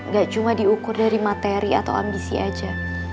gak cuma diukur dari materi atau ambisi aja